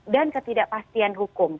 dan ketidakpastian hukum